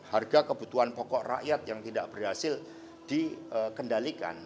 harga kebutuhan pokok rakyat yang tidak berhasil dikendalikan